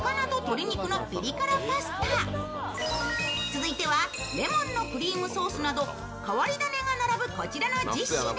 続いては、レモンのクリームソースなど変わり種が並ぶこちらの１０品。